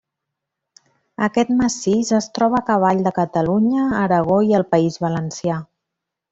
Aquest massís es troba a cavall de Catalunya, Aragó i el País Valencià.